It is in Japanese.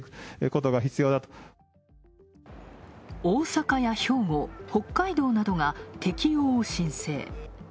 大阪や兵庫、北海道などが適用を申請。